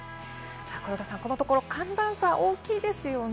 黒田さん、このところ寒暖差、大きいですよね。